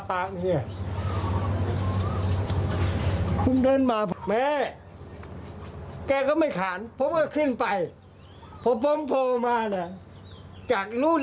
ผมไม่อยากอีกไม่มีใครอยู่ยุ่งผมต้องพูด